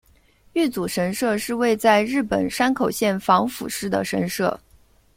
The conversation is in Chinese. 玉祖神社是位在日本山口县防府市的神社。